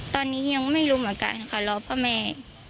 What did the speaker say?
ตอนนี้ยังไม่รู้เหมือนกันค่ะรอพ่อแม่